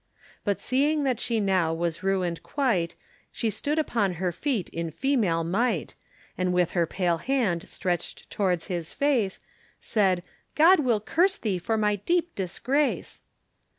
But seeing that she now was ruined quite, She stood upon her feet in female might, And with her pale hand stretched towards his face Said, "God will curse thee for my deep disgrace."